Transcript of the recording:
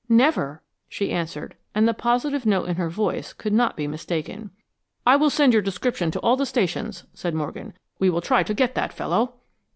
"Never," she answered, and the positive note in her voice could not be mistaken. "I will send your description to all the stations," said Morgan. "We will try to get that fellow."